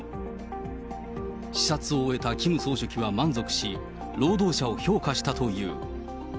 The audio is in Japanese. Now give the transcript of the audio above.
視察を終えたキム総書記は満足し、労働者を評価したという。